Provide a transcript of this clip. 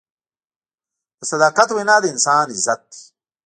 د صداقت وینا د انسان عزت دی.